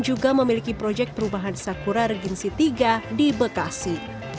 juga memiliki proyek perumahan sakura regensi tiga di bekasi